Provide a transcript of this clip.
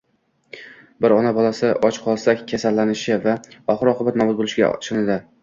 Bir ona bolasi och qolsa kasallanishi va oxir-oqibat nobud bo'lishiga ishonadi.